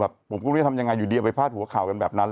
ผมก็ไม่รู้จะทำยังไงอยู่ดีเอาไปฟาดหัวข่าวกันแบบนั้น